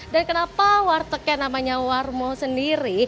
dan kenapa wartegnya namanya warmo sendiri